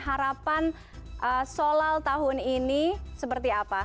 harapan solal tahun ini seperti apa